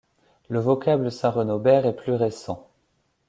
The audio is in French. Le vocable Saint Renobert est plus récent.